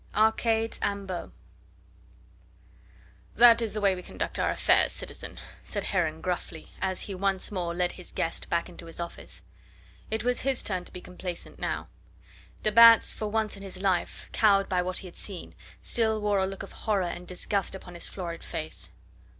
ARCADES AMBO "That is the way we conduct our affairs, citizen," said Heron gruffly, as he once more led his guest back into his office. It was his turn to be complacent now. De Batz, for once in his life cowed by what he had seen, still wore a look of horror and disgust upon his florid face.